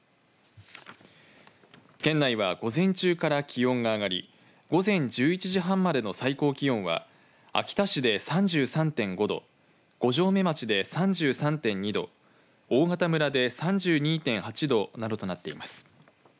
県内は午前中から気温が上がり午前１１時半までの最高気温は秋田市で３３．５度五城目町で３３．２度大潟村で３２．８度などとなっています。